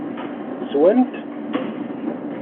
Swant-t?